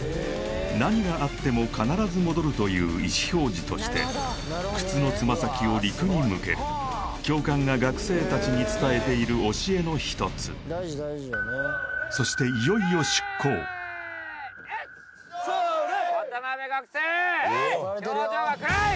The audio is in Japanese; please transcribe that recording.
何があっても必ず戻るという意思表示として靴のつま先を陸に向ける教官が学生たちに伝えている教えの一つそしてそーれ！